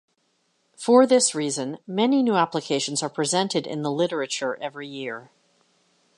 For this reason, many new applications are presented in the literature every year.